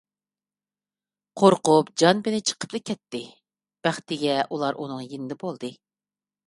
قورقۇپ جان - پېنى چىقىپلا كەتتى، بەختىگە ئۇلار ئۇنىڭ يېنىدا بولدى.